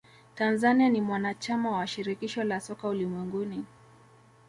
tanzania ni mwanachama wa shirikisho la soka ulimwenguni